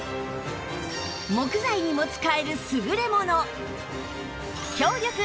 木材にも使える優れもの